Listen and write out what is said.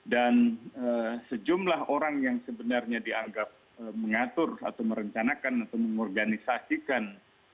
dan sejumlah orang yang sebenarnya dianggap mengatur atau merencanakan atau mengorganisasikan